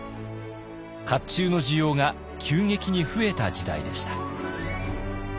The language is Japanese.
甲冑の需要が急激に増えた時代でした。